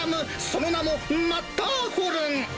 その名も、マッターホルン。